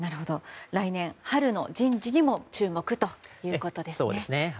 来年春の人事にも注目ということですね。